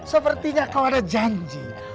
sepertinya kau ada janji